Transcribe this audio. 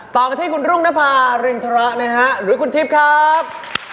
ต่อกันที่คุณรุงรนฟาลินทรหรือคุณทิศครับ